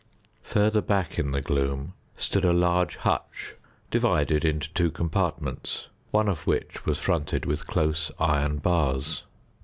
Further back in the gloom stood a large hutch, divided into two compartments, one of which was fronted with close iron bars.